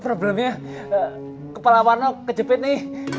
problemnya kepala warna kejepit nih